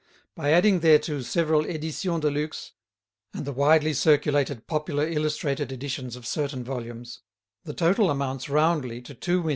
By adding thereto several éditions de luxe and the widely circulated popular illustrated editions of certain volumes, the total amounts roundly to 2,100,000.